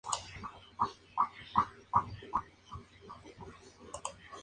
parto